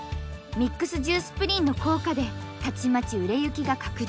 ミックスジュースプリンの効果でたちまち売れ行きが拡大。